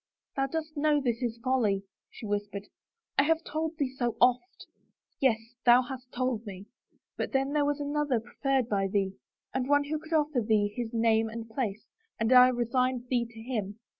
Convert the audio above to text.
"Thou dost know this is folly," she whispered. * I have told thee so oft." " Yes, thou hast told me, but then there was another preferred by thee — and one who could offer thee his name and place. And I resigned thee to him.